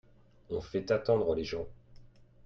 On fait attendre les gens.